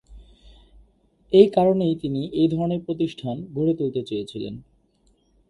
এই কারণেই তিনি এই ধরণের প্রতিষ্ঠান গড়ে তুলতে চেয়েছিলেন।